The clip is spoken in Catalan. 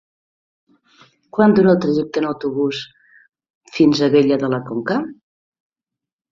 Quant dura el trajecte en autobús fins a Abella de la Conca?